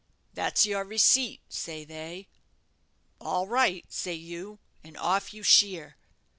'That's your receipt,' say they. 'All right,' say you; and off you sheer.